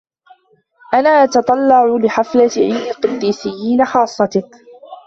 أنا أتتطلع لحفلة عيد القديسيين خاصتك.